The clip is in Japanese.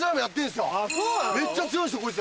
めっちゃ強いんすよこいつ。